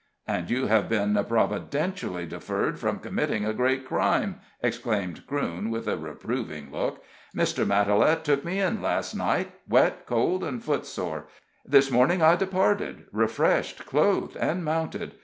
"And you have been providentially deferred from committing a great crime!" exclaimed Crewne, with a reproving look. "Mr. Matalette took me in last night, wet, cold, and footsore; this morning I departed, refreshed, clothed and mounted.